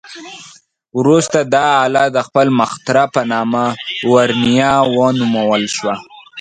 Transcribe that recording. وروسته دا آله د خپل مخترع په نامه ورنیه ونومول شوه.